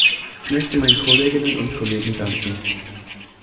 Ich möchte meinen Kolleginnen und Kollegen danken.